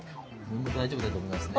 もう大丈夫だと思いますね。